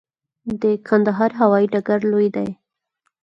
د کندهار هوايي ډګر لوی دی